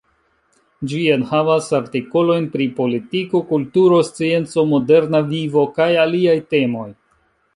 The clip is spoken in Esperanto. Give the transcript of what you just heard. Ĝi enhavas artikolojn pri politiko, kulturo, scienco, moderna vivo kaj aliaj temoj.